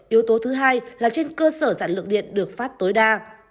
yếu tố thứ hai là trên cơ sở sản lượng điện được phát tối đa